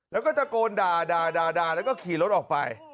แล้วก็ตะโกนด่าแล้วก็ขี่รถออกไป